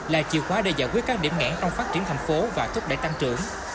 là chìa khóa để giải quyết các điểm ngẽn trong phát triển thành phố và thúc đẩy tăng trưởng